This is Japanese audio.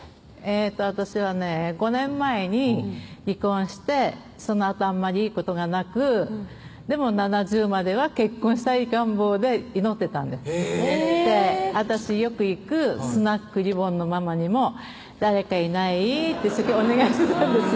私はね５年前に離婚してそのあとあんまりいいことがなくでも７０までは結婚したい願望で祈ってたんです私よく行くスナック・リボンのママにも「誰かいない？」ってお願いしてたんですよ